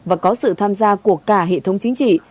và có sự tham gia của cả hệ thống chính trị